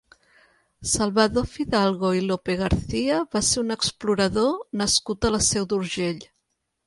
Salvador Fidalgo i Lopegarcía va ser un explorador nascut a la Seu d'Urgell.